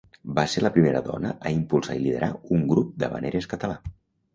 Va ser la primera dona a impulsar i liderar un grup d'havaneres català.